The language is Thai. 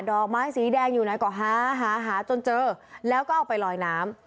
อกไม้สีแดงอยู่ไหนก็หาหาจนเจอแล้วก็เอาไปลอยน้ำ